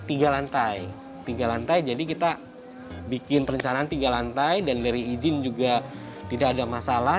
tiga lantai tiga lantai jadi kita bikin perencanaan tiga lantai dan dari izin juga tidak ada masalah